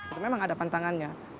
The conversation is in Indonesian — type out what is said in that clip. itu memang ada pantangannya